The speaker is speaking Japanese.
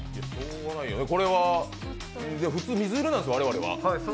これは、普通水色なんです我々は。